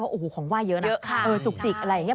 เพราะของว่ายเยอะนะ